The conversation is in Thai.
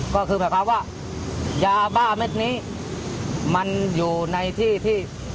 ก็คือแบบว่ายาบ้าเม็ดนี้มันอยู่ในที่ที่